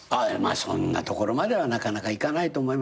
そんなところまではなかなかいかないと思います。